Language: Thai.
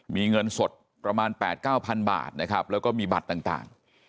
มีเงินสดประมาณ๘๙๐๐บาทนะครับแล้วก็มีบัตรต่าง